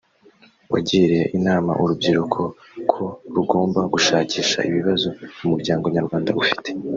wagiriye inama urubyiruko ko rugomba gushakisha ibibazo umuryango nyarwanda ufite